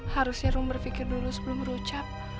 harusnya rom berpikir dulu sebelum berucap